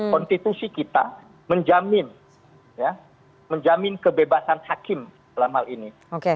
konstitusi kita menjamin kebebasan hakim dalam hal ini